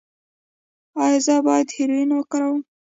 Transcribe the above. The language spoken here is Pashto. ایا زه باید هیرویین وکاروم؟